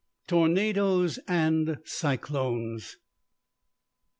TORNADOES AND CYCLONES.